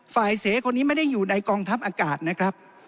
เสคนนี้ไม่ได้อยู่ในกองทัพอากาศนะครับ